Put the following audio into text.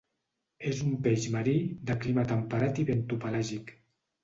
És un peix marí, de clima temperat i bentopelàgic.